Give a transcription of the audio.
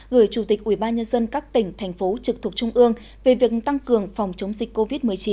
gửi chủ tịch ubnd các tỉnh thành phố trực thuộc trung ương về việc tăng cường phòng chống dịch covid một mươi chín